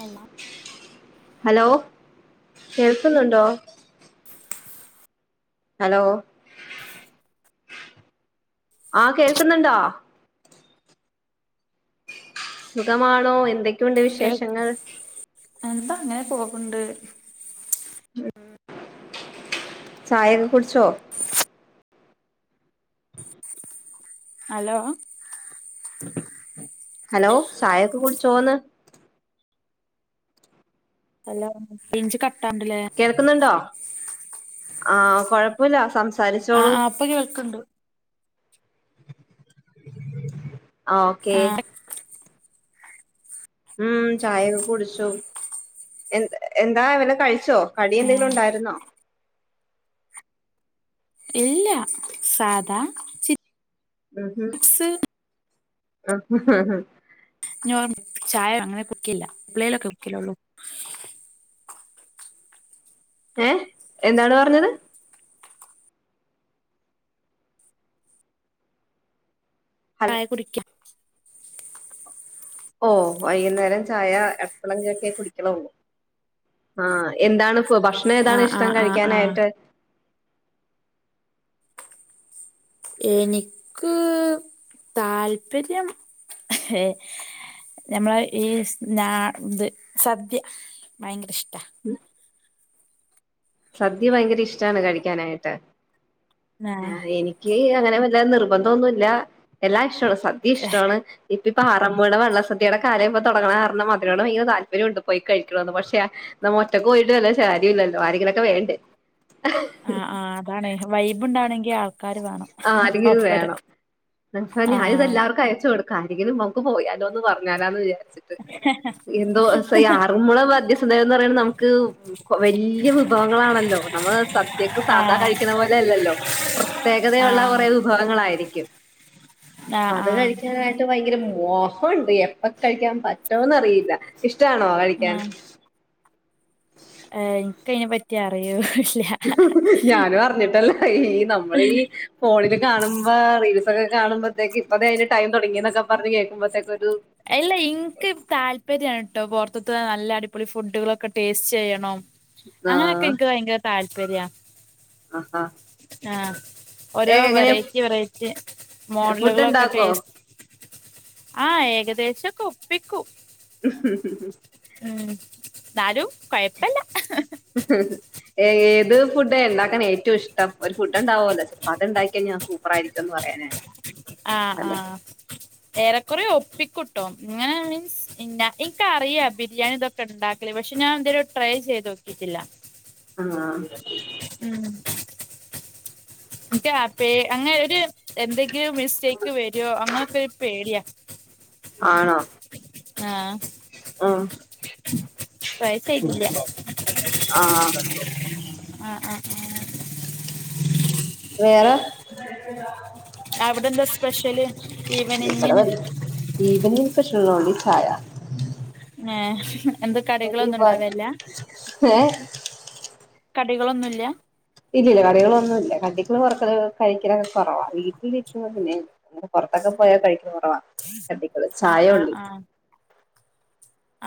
Hello hello, കേൾക്കുന്നുണ്ടോ? Hello, ആഹ് കേൾക്കുന്നുണ്ടോ? സുഖമാണോ എന്തൊ. കേ എന്താ അങ്ങനെ പോക്കണ്ട് ചായൊക്കെ കുടിച്ചോ? ഹലോ. ഹലോ, ചായക്കെ കൂടിച്ചോന്ന്? അല്ല റേഞ്ച് കട്ടാണ്ടല്ലേ. കേൾക്ക്ന്ന്ണ്ടോ ആ കൊഴപ്പല്ല ആ സംസാരിച്ചോളൂ. ആ ഇപ്പൊ കേൾക്ക്ണ്ട് ആ ഓക്കെ. ഉം ചായൊക്കെ കുടിച്ചു എ എന്താ അവിട കഴി ച്ചോ കടി, ആ എന്തെങ്കിലും ഉണ്ടായിരുന്നോ? ഇല്ല, സാധാ ആഹ ചിപ്സ് ഹ ആഹ ആ നോ ചായ അങ്ങനെ കുക്കില്ല. പളളിലൊക്കെ കുക്കിലുള്ളു. ഏ എന്താണ് പറഞ്ഞത്. ഹൽ ചായ കുടിക്കാം. ഓ വൈകുന്നേരം ചായ എടപ്പളക്കൊ ക്കെ കുടിക്കുളു ആ എന്താണ് ഭക്ഷണം ഏതാണ് ആ ആ ഇഷ്ടം ആ ആ കഴിക്കാനായിട്ട്. എനിക്ക് താല്പര്യം ഏഹ് ഞമ്മള് ഈ ഇത് സദ്യ ഭയങ്കര ഇഷ്ട സദ്യ ഭയങ്കര ഇഷ്ട്ടാണ് കഴിക്കാനായിട്ട് ആ ആഹ് എനി നിക്ക് അങ്ങനെ വല്ല നിർബന്ധമൊന്നുമില്ല എല്ലാം ഇഷ്ടമാണ് സദ്യ ഇഷ്ടമാണ്. ഇപ്പേ പാറമോട വള്ള സദ്യയുടെ കാലം ഇപ്പൊ തൊടങ്ങണ കാരണം അതിനോട്‌ ഭയങ്കര താല്പര്യം ഉണ്ട് പോയി കഴിക്കണന്ന് പക്ഷെ നമ്മ ഒറ്റക്ക് പോയിട്ട് വല്ലൊ ശരിയല്ലല്ലോ ആരെങ്കിലൊക്കെ വേണ്ടെ ആ ആ് അതാണ് വൈബ് ഉണ്ടാണെങ്കി ആ ആ ആരെങ്കിലും വേണം. ആ ഞാനിതെല്ലാവർക്കും അയച്ചു കൊടുക്ക ആരെങ്കിലും പോയാലോ എന്ന് പറഞ്ഞാലാന്ന് വിചാരിച്ചിട്ട്. എന്തോ എസ് ഐ ആറ് മദ്യസന്ധം എന്ന് പറയ നമുക്ക് വല്യ വിഭവങ്ങളാണല്ലോ, നമ്മൾ സദ്യയക്ക് സാധാ ആഹ് കഴിക്കണ, പോലെ അല്ലല്ലോ? പ്രത്യേകതയുള്ള ആഹ് കുറേ വിഭവങ്ങളായിരിക്കും അപ്പ ആഹ് അത് ആഹ് കഴിക്കാനായി ഭയങ്കര മോഹമുണ്ട്. എപ്പൊ കഴിക്കാൻ പറ്റോന്ന് അറിയില്ല ഇഷ്ടാണോ കഴിക്കാൻ. എനിക്ക അതിനെ പറ്റി അറിയൂല [unintelligible] ഞാനും, അറിഞ്ഞിട്ടല്ല ഈ നമ്മൾ ഈ ഫോണിൽ കാണുമ്പോ റീൽസ് ക്കെ കാണുമ്പത്തേക്ക് ഇപ്പോ അതിന് ടൈം തുടങ്ങിക്ക പറഞ് കേൾക്കുമ്പോത്തേക്ക് ഒരു എല്ല ഇൻക്ക് താല്പര്യ ട്ടോ പുൊറത്തത്ത് നല്ല അടിപൊളി ഫുഡുകളൊക്കെ ടേസ്റ്റ് ചെയ്യണം അങ്ങനൊക്കെ ആഹ് എനിക്ക് ഭയങ്കര താല്പര്യ ആഹ്ഹാ ആഹ് ഓരോ വെറൈറ്റി വെറൈറ്റി ഫുഡ് മോഡലുകളൊക്കെ ഉണ്ടാക്കോ ടെസ്- ആഹ്, ഏകദേശൊക്കെ, ഒപ്പിക്കും. ഉ ഉം ഉ ഉ് ഉം ന്നാലും, കൊയപ്പല്ല ഏ ഏത് ഫുഡ ഉണ്ടാൻ ഏറ്റവും ഇഷ്ടം ഒരു ഫുഡ്ണ്ടാവുമല്ലോ ചിലപ്പോ അത് ഉണ്ടാക്കിയാ ഞാ അഭി പ്രായല്ലെ ന്ന് പറയാനെ ആഹ് ആഹ് ഏറെക്കുറെ ഒപ്പിക്കൂട്ടോ ഇങ്ങനെ മീൻസ്, ഇണ്ടാക്കാ ഇൻക്കഅറിയാ ബിരിയാണി ഇതൊക്കെ ക്കണ്ടാക്കല്, പക്ഷെ ഞാൻ ഇതരെ ട്രൈ, ചെയ്ത്, നോക്കിയിട്ടില്ല. ആഹഹ് ഉം [unintelligible] അങ്ങനെ ഒരു എന്തെങ്കിലും മിസ്റ്റേക്ക് വര്വോ അങ്ങനൊ ക്കെ പേടിയാ ആണോ? ആഹ്. ആഹ്, ട്രൈ ചെയ്തില്ല ആഹ്. ആ ആ ആ വേറെ അവിടെ എന്താ സ്പെഷ്യല് ഈവനിംഗിന്. ഈവെനിംഗ് [unintelligible] ചായ. ഏ എന്ത് കടികളൊന്നും ഉണ്ടാവില്ല. ഏഹ്. കടികളൊന്നുല്യ ഇല്ലല്ല കടികളൊന്നും ഇല്ല കടികള് കൊറക്ക കഴിക്കലൊക്കെ കൊറവാ വീട്ടിലിരിക്കുന്ന അന്നെ അ പുറത്തൊക്കെ പോയാ കഴിക്കുന്ന കുറവാ കടികള് ആഹ് ചായ ഒള്ളു. ആഹ്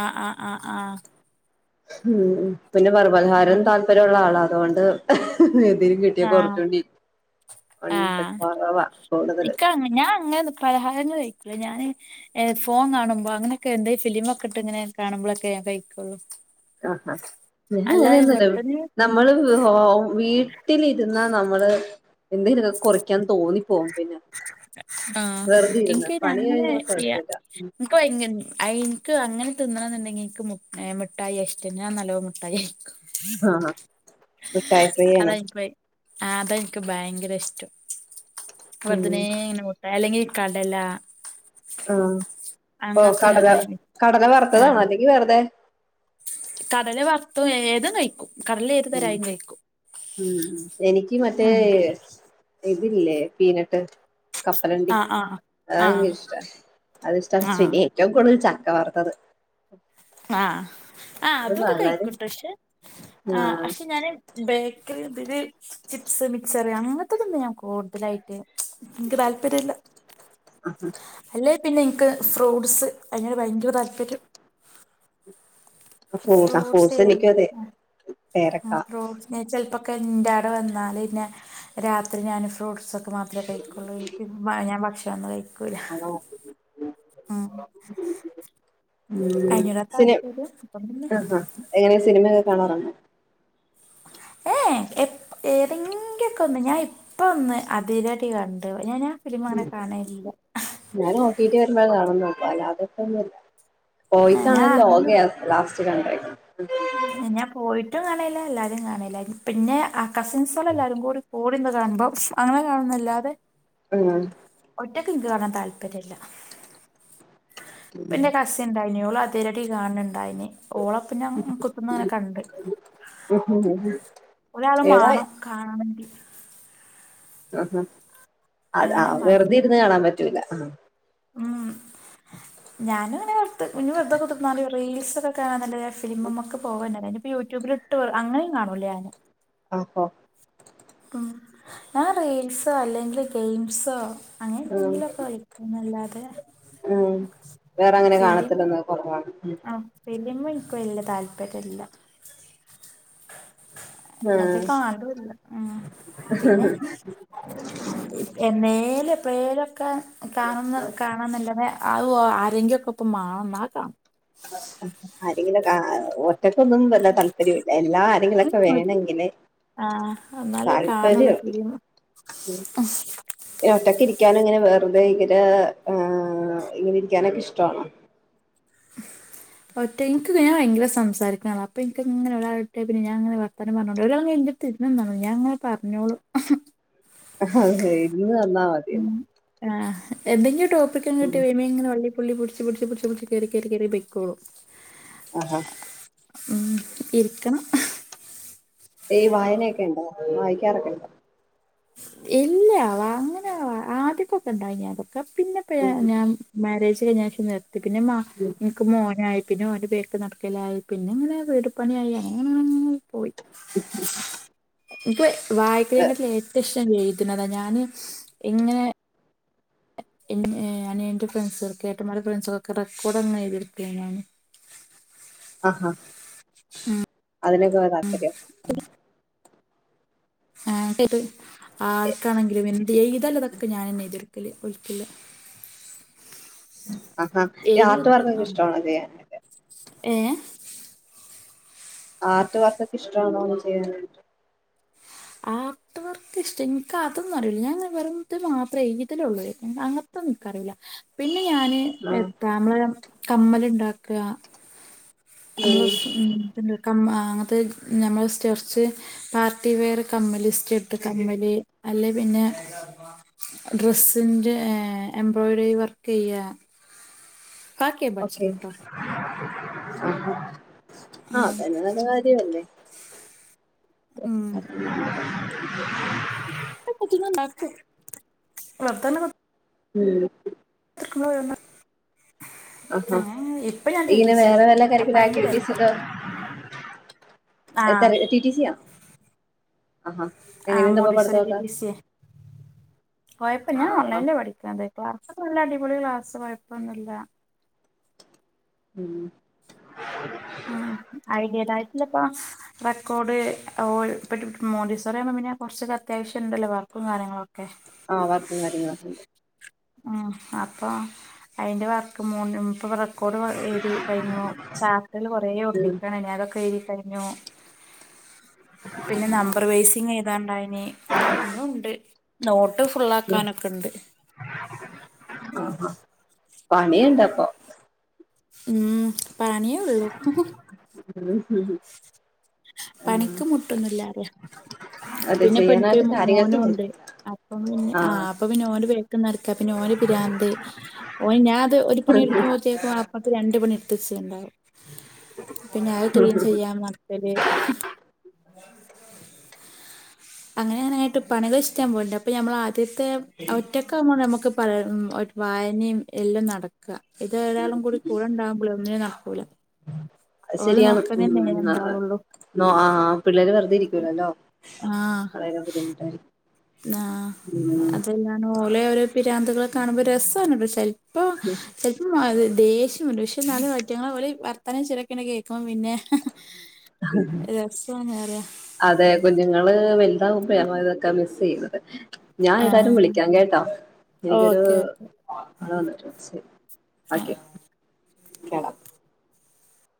ആഹ് ആഹ് ആഹ് ആഹ് ഉം, പിന്നെ പറ പലഹാരം ആഹ് താല്പര്യം ഉള്ള ആളാ അതോണ്ട് എതി കിട്ടിയ ആഹ് കൊറച്ചോണ്ടി പണ്ട കൊറവാ കൂടുതല്. ഞാനങ്ങനെ നി പലഹാരങ്ങള് കഴിക്കില്ല ഞാന് ഏഹ് ഫോൺ, കാണുമ്പോ അങ്ങനൊക്കെ എന്തഈ, ഫിലിമൊക്കെട്ട് ഇങ്ങനെ കാണുമ്പോഴൊക്കെ കഴിക്കുള്ളു ആഹാ, എന്നും എങ്ങനെ യൊന്നുംല്ല [unintelligible] വെറുതെന്ന് നമ്മള് ഹോമ് വീട്ടിലിരുന്ന നമ്മള് എന്തേനൊക്കെ കെറിയ്ക്കാൻ തോന്നിപ്പോവും പിന്നെ. ആഹ് വെറുതെ ഇരുന്ന് പണി കഴിഞ്ഞാൽ കൊഴപ്പില്ല അപ്പ എനിക്ക് അങ്ങനെ തിന്നണം ന്നുണ്ടെങ്കിൽ എനിക്ക് മിട്ടായിയ ഷ്ട്ടം ഞാൻ നല്ലോമിട്ടായിയി ക്കും ആ മിഠായി ഫ്രീ അത ആണ് എനിക്ക് അതെനിക്ക് ഭയങ്കര ഇഷ്ടം ഉം വെറുതനെ ഇങ്ങനെട്ട അല്ലെങ്കിൽ കടല ആ ഓ അങ്ങനത്തെ കടല അയി കടല വറുത്തതാണോ അല്ലെങ്കി വെറുതെ കടല് വറത്തും ഏത് കയിക്കും കടല ഉം ഏതുതരായും കയിക്കും. ഉം എനിക്ക് മറ്റേ ഇതില്ലേ പീനട്ട് കപ്പലണ്ടി ആഹ് ആഹ് അതഭയങ്ക ആഹ് ഇഷ്ട അത്ഷ്ട ആഹ് പിന്നെ ഏറ്റവും കൂടുതൽ ചക്ക വറുത്തത്. ആഹ് ആഹ് അത് അതൊക്കെ വളരെ കഴിക്കോട്ടെ പക്ഷെ ആഹ് പക്ഷെ ഞാന് ബക്ക ബ [unintelligible] ചിപ്സ് മിക്ച്ചർ അങ്ങനത്തതന്ന ഞാൻ കൂടുതലായിട്ട് എനിക്ക് താല്പര്യല്ല ആ [inaudible] അല്ലെ പിന്നെ എനിയ്ക്ക് ഫ്രൂട്ട്സ് അങ്ങട് ഭയങ്കര താല്പര്യം അ ഫോസ് അ ഫോസ് എനിക്കും അതെ പേരക്ക ഫ്രൂട്ട ചെിലപ്പോൊക്കെ എന്റെടെ വന്നാല് പിന്നെ രാത്രി ഞാൻ ഫ്രൂട്ട്സൊക്കെ മാത്രമേ കഴിക്കുള്ളൂ എനിക്ക് ഞാൻ ഭക്ഷണനും കഴിക്കുലാ ആ [inaudible] അയിനോടാ താല്പര്യം അപ്പം പിന്നെ ആ എങ്ങനെ സിനിമയൊക്കെ കാണാറുണ്ടോ ഏഹ എതെങ്കൊക്കെ ഒന്ന് ഞാൻ ഇപ്പ ഒന്ന് അതിരട്ടി കണ്ട ഞാന ഞാ ഉം ഞാന് ഓട്ടിട്ട് വരുമ്പോഴാ കാണുന്നെ അല്ലാത്തപ്പോ ഒന്നുല്ല ഏ, പോയിട്ടാണ ഞാൻ ലോക ലാസ്റ്റ് കൺണ്ട ഞാ പോയിട്ടും കാണല്ല എല്ലാരും കാണല്ല പിന്നെ ആ കസിൻസോള എല്ലാരും കൂടി ഇവിടെ എന്താ കാണുമ്പോ അങ്ങനെ കാണുന്നല്ലാതെ ആഹ ഒറ്റക്ക് എനിക്ക് കാണാൻ താല്പര്യമല്ല പിന്നെ ന്റെ കസ് ഉണ്ടനേള അതിരടി കാണുണ്ടായിനെ ഓളപ്പ ഞാൻ കുത്തുന്ന അങ്ങനെ കണ്ട് ഒരാള് ഏതാ മാണം കാണണെങ്കി ആഹ് അല്ലാതെ ആഹ് വെറുതെ മടി ഇരുന്ന് കാണാൻ പറ്റൂല്ല ആഹ് ഉം ഞാനും ഇങ്ങനെ വെറുത വെറുതെ കൊടുുന്ന റീൽസ് ഒക്കെ കാണാ നല്ല ഫിലിമൊക്കെ പോകൻന്ന ഇതിനിപ്പ യൂട്യൂബിൽ ഇട്ട് അങ്ങനെയ കാണുല ഞാൻ ആഹോ ഉം, ഞാൻ റീൽസോ അല്ലെങ്കിൽ ഗെയിംസോ, അങ്ങനെ ഉം എന്തെങ്കിലുംക്ക കഴിക്കന്നല്ലാതെ ഉം വേറെ ഫ അങ്ങനെ [unintelligible] [unintelligible] ആ ഫിലിം എനിക്ക് വല്ല്യ താല്പര്യം ഇല്ല എന്നത്തെ ഉം കാണുല്ല ഉ പിന്നെ എന്നേല എപ്പഴേലൊക്കെ കാണുന്ന കാണന്നല്ലതെ അത് ആരെങ്കുക്കെ ഇപ്പ മാണണം എന്ന കാണാം ആരെങ്കിലും ഒറ്റക്കൊന്നും വല്ല താല്പര്യംില്ല എല്ലാരും ആഹ എന്നാലേ താല്പര്യമുണ്ട് കാണള്ളുഫിലീമ് ഇ ഒറ്റക്കെ ഇരിക്കാനു ഇങ്ങനെ വെറുതെ ഇങ്ങനെ ആഹ് ഇങ്ങനെ ഇരിക്കാനൊക്കെ ഇഷ്ടണോ [inaudible] ഒറ്റ എന്ക്ക് ഞാൻ ഭയര സംസാരിക്കണ ആളാണ് അപ്പ എന്ക്കിങ്ങനെ ഒരാളട്ടെ ഇട്ടിയാ പിന്നെ ഞാനിങ്ങനെ വർത്താനം പറഞ്ഞോണ്ട് ഒരാളിങ്ങനെ [unintelligible] [unintelligible] ഞാങ്ങനെ പറഞ്ഞോളും അഹ് ഇരുന്ന് തന്നാ മതി ആഹ് എന്തെങ്കിലും ടോപ്പിക്ക കിട്ട ഉം വനെ [unintelligible] പുള്ളി പിടിച്ച് പിടിച്ച് പിടച്ച് കേറി കേറി കേറി പൊക്കോളു ആഹ് ആഹ് ഉം ഇരിക്കണം ഈ വായനയൊക്കെ ഉണ്ടോ വായിക്കാറൊക്കെ ഉണ്ഡോ? ഇല്ല ആ അങ്ങനെയ ആദ്യപ്പൊക്കെ ഇണ്ട അതൊക്കെ പിന്നെപ്പയ ഉം ഞാൻ മാരേജ് കയിഞ്ഞപ്പോ നിർത്തി പിന്നെ മ ഉം ക്ക് മോനായി പിന്നെ ഓന്റെ പേർക്ക് നടക്കലായി പിന്നെ ഇങ്ങനെ വീട് പണിയായി അങ്ങന അങ്ങന പോയി. ഉ [inaudible] ഇപ്പ വായക്കുന്നെകാട്ടി ഏറ്റവും ഇഷ്ടം എഴുതുന്നതാണ് ഞാന് ഇങ്ങനെ അനിയന്റെ ഫ്രണ്ട്സൊക്കെ ഏട്ടന്മാടെ ഫ്രണ്ട്സൊക്കെ റെക്കോർഡ്ങ്ങനെ എയ്തെടുക്കെന്നു ആഹാ അതിനൊക്കെ താത്പര്യം ആ ആർക്കാണെങ്കിലും എന്ത് എഴുതാള്ളതൊക്കെ ഞാൻെ തന്നെ എഴുതികൊടുക്കല് ഓൽക്കില്ലേ ആഹാ എഴുതി ആട്ട വെക്ക് വർക്കെനിക്ക് ആഹ് ഇഷ്ടണ അത ഏഹ് ആർട്ട് വർക്ക ഒക്കെ ഇഷ്ടമാണോ ചെയ്യ ആക് [unintelligible] ഇർക്ക ഇഷ്ടം ഇൻക്കതന്നും ഞാൻ വെറുത് മാത്രമേ ഇതലുള്ളൂ അങ്ങനത്തെന്നുംനിക്കറിയില്ല പിന്നെ ഞാന് ആഹ് എത്താ നമ്മള് കമ്മലുണ്ടാക്കുക ഉം നമ്മള് അങ്ങത്തെ നമ്മള് സ്റ്റെർച്ച് പാർട്ടി വെയർ കമ്മല് സ്റ്റഡ് കമ്മല് അല്ലെ പിന്നെ ഡ്രെസ്സിന്റെ എംബ്രോയ്ഡറി വർക്ക് യ്യെ ഓക്കെ ആഹ് ആഹ് ഉം അത് ന്നെ നല്ല കാര്യ അല്ലേ ഉം കുച്ച നക്ക വത [unintelligible] ഉം ക്ക [unintelligible] ആഹാ ആഹ് ഇപ്പ ഞാൻ ഇങ്ങനെ തിരീച്ചത് വേറെ വല്ല അപ്പൊ അയിന്റെ തരക്കില എന്താ ടി ടി സി ആണോ? ആഹാ ആഹ് എങ്ങനെയുണ്ടപ്പൊ മോണ്ടിസോറി പടുത്തൊക്കെ കുഴപ്പം ഞാൻ ഓൺലൈനില് പഠിക്കുന്നത് ക്ലാസ്ക്കെ നല്ല അടിപൊളി ക്ലാസ് കുഴപ്പൊന്നുല്ല ഉം ആ ആയിതെന്റേതായിട്ടില്ലപ്പ റെക്കോർഡ്ട്ടി മോഡീസോറിആുമ്പോൾ പിന്നെ കുറച്ചൊക്കെ അത്യാവശ്യം ഉണ്ടല്ലോ വർക്കും കാര്യങ്ങളുംക്കെ ആഹ് വർക്കും കാര്യങ്ങളക്ക്‌ ണ്ട് ആ അപ്പൊ അയിന്റെ വർക്ക് മൂ മുപ്പ് വ റെ ക്കോട് എഴു തി കഴിഞ്ഞു ചാർട്ട് ക ൽ കുറെ ഉം ഒട്ടിക്കാണ് ഇനി അതൊക്കെ എഴു തി കഴിഞ്ഞു പിന്നെ നമ്പർ വൈസിങ് ഏഴു താണ് ണ്ടായിരുന്ന് ഇനിം ഉണ്ട് നോട്ട് ഫുള്ളക്കാനൊക്കെ ഇണ്ട്. പണിയുണ്ടപ്പൊ ഉം പണിയേള്ളു ഉ ഹ [inaudible] പണിക്ക് മുട്ടൊന്നില്ലറ അതെ പിന്നെ പണിക്ക് ചെയ്യാനായിട്ട് കാര്യങ്ങളൊക്കെ ഉണ്ട് മോനുണ്ട് അപ്പം പിന്നെ ആ ആഹ് അപ്പൊ പിന്നെ ഓന് വേക്ക നടക്കാ പിന്നെ ഓന് പിരാന്ത് ഓഹ് ഞാ അത് ഒരു പണിടുക്കുമ്പോ മാപ്പ രണ്ട പണി എടുച്ചുണ്ടാവും പിന്നെ അത് ക്ലീൻ ചെയ്യാൻ [unintelligible] അന്ന [unintelligible] [unintelligible] അങ്ങനെ അങ്ങനങ്ങായിട്ട് പണികൾ ഇഷ്ടൻ പോയിണ്ട് അപ്പൊ നമ്മൾ ആദ്യത്തെ അവറ്റ പോ നമുക്ക് പല വായനയും എല്ലാം നടക്കുക. ഇത് ഒരാളും കൂടി കൂടെ ഉണ്ടാവുമ്പോള ഒന്നിന നടക്കൂല. അത് ഓലെ ശരിയാണ് നോക്കാനേ ഉം നേരം ഉണ്ടാവുള്ളൂ അ ആ പിള്ളേര് വെറുതെ ഇരിക്കൂലല്ലോ. വളരെ ബുദ്ധിമുട്ടായിരി ആ് അതെല്ലാണ് ഓലെ ഓരോ പിരാന്തകള് കാണുമ്പോൾ രസമാണ് ഇവി അപ്പോ [unintelligible] ഉ അത് ദേഷ്യം വരും പക്ഷെ നാ വറ്റങ്ങളെ പോലെ വർത്തനം ചിരക്കണ കേക്കും പിന്നെ രസ നേറ അതെ കുഞ്ഞുങ്ങള് വലുതാവുമ്പോ ഇതൊക്കെ മിസ് ചെയ്യുന്നത് ഞാ ഏതായാലും ആഹ് വിളിക്ക്യാം കേട്ടോ എനിക്കൊരൂ. ഓക്കെ ഓക്കെ ആഹ് [unintelligible] കേളാം